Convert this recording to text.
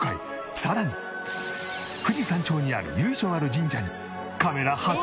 さらに富士山頂にある由緒ある神社にカメラ初潜入！